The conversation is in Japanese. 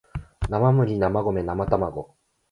生麦生米生たまご